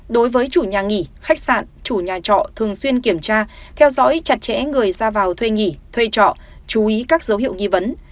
đối với chủ nhà nghỉ khách sạn chủ nhà trọ thường xuyên kiểm tra theo dõi chặt chẽ người ra vào thuê nghỉ thuê trọ chú ý các dấu hiệu nghi vấn